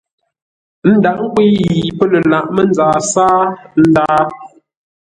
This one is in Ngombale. Ndághʼ nkwə̂i yi pə́ lə lǎghʼ mənzaa sáa, ə́ ndáa.